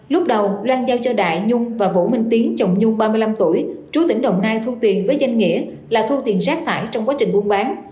lúc đầu loan giao cho đại nhung và vũ minh tiến chồng nhung ba mươi năm tuổi trú tỉnh đồng nai thu tiền với danh nghĩa là thu tiền rác phải trong quá trình buôn bán